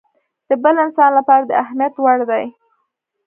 د بل انسان لپاره د اهميت وړ دی.